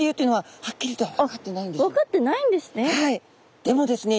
分かってないんですね。